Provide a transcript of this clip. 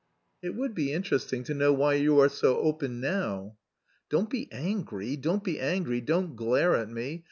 "It would be interesting to know why you are so open now?" "Don't be angry, don't be angry, don't glare at me....